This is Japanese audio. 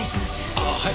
ああはい！